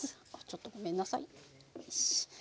ちょっとごめんなさいよしっ。